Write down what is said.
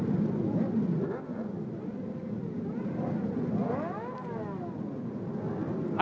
dan akan ada perubahan dan perubahan berikutnya